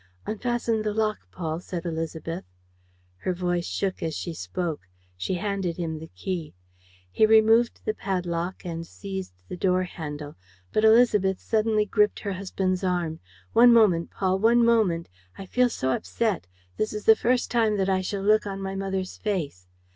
"Unfasten the lock, Paul," said Élisabeth. Her voice shook as she spoke. She handed him the key. He removed the padlock and seized the door handle. But Élisabeth suddenly gripped her husband's arm: "One moment, Paul, one moment! I feel so upset. This is the first time that I shall look on my mother's face